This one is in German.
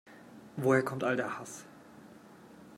Woher kommt all der Hass?